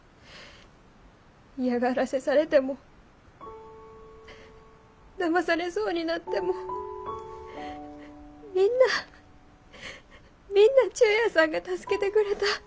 嫌がらせされてもだまされそうになってもみんなみんな忠弥さんが助けてくれた。